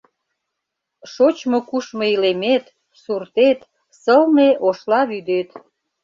Шочмо-кушмо илемет... суртет, сылне Ошла вӱдет...